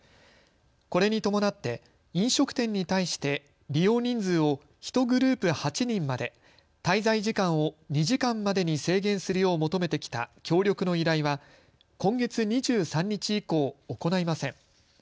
これに伴って飲食店に対して利用人数を１グループ８人まで、滞在時間を２時間までに制限するよう求めてきた協力の依頼は今月２３日以降行いません。